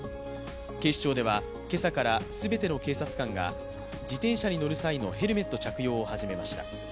警視庁では、今朝から全ての警察官が自転車に乗る際のヘルメット着用を始めました。